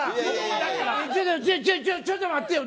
ちょっと待ってよ。